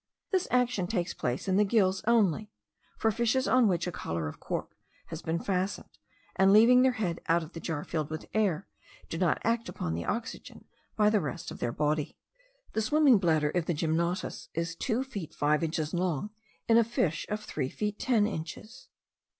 This action takes place in the gills only; for fishes on which a collar of cork has been fastened, and leaving their head out of the jar filled with air, do not act upon the oxygen by the rest of their body. The swimming bladder of the gymnotus is two feet five inches long in a fish of three feet ten inches.